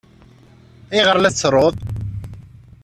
Ayɣer ay la tettruḍ?